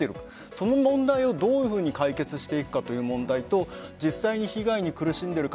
その問題をどういうふうに解決していくかという問題と実際に被害に苦しんでいる